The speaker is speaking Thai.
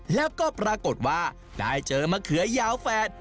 แล้วก็ปรากฏว่าได้เจอมะเขือยาวแฝด